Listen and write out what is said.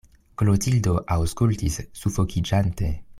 Klotildo aŭskultis sufokiĝante.